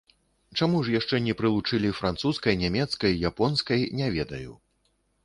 Чаму ж яшчэ не прылучылі французскай, нямецкай, японскай, не ведаю.